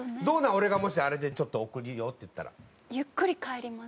俺がもしあれで「ちょっと送るよ」って言ったら。